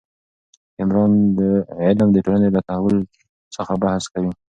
د عمران علم د ټولنې له تحول څخه بحث کوي.